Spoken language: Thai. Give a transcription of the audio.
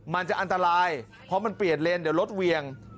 มันจะอันตรายเพราะมันเปลี่ยนเลนเดี๋ยวรถเวียง